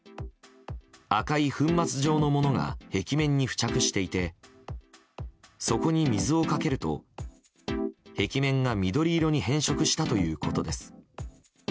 赤い粉末状のものが壁面に付着していてそこに水をかけると、壁面が緑色に変色したということです。